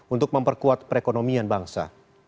untuk memperkuat perekonomian bangsa